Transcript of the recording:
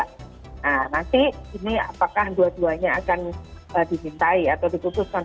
nah nanti ini apakah dua duanya akan dimintai atau diputuskan